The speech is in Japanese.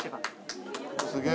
すげえ